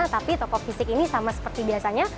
tapi toko fisik ini sama seperti biasanya